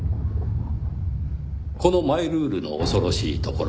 このマイルールの恐ろしいところ。